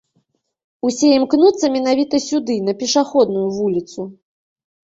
Усе імкнуцца менавіта сюды, на пешаходную вуліцу.